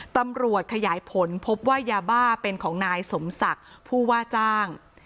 ตำรวจขยายผลพบว่ายาบ้าเป็นของนายสมศักดิ์ผู้ว่าจ้าง